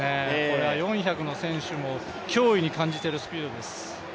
これは４００の選手も脅威に感じているスピードです。